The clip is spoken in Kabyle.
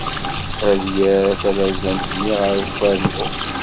Ad yerr talazant-nni ɣer ufarnu.